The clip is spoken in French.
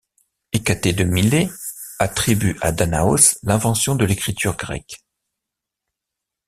Hécatée de Milet attribue à Danaos l'invention de l'écriture grecque.